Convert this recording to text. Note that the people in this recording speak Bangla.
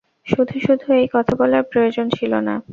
শুধু শুধু এই কথা বলার প্রয়োজন ছিল না।